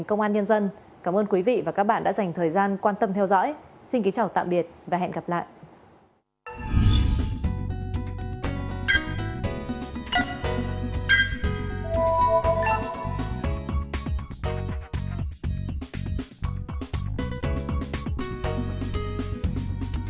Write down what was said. cảm ơn các bạn đã theo dõi và hẹn gặp lại